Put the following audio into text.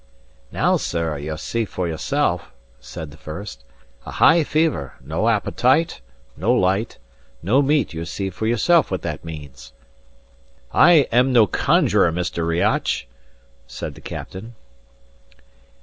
"Now, sir, you see for yourself," said the first: "a high fever, no appetite, no light, no meat: you see for yourself what that means." "I am no conjurer, Mr. Riach," said the captain.